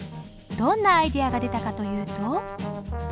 どんなアイデアが出たかというと。